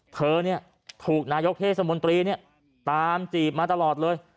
เธอเนี่ยถูกนายกเทศมนตรีเนี่ยตามจีบมาตลอดเลย